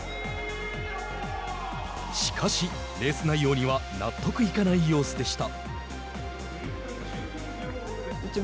しかし、レース内容には納得いかない様子でした。